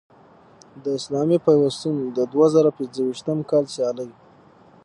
د اسلامي پیوستون د دوه زره پنځویشتم کال سیالۍ